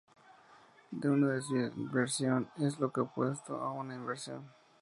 Una desinversión es lo opuesto a una inversión.